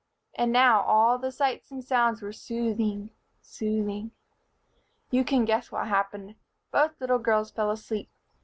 And now all the sights and sounds were soothing, soothing. You can guess what happened. Both little girls fell asleep.